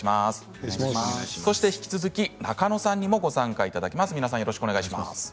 そして引き続き、中野さんにもご参加いただきます。